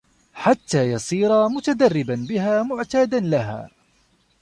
حَتَّى يَصِيرَ مُتَدَرِّبًا بِهَا مُعْتَادًا لَهَا